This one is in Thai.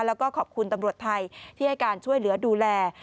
แล้วก็ขอบคุณตำรวจไทยที่ให้การช่วยเหลือดูแล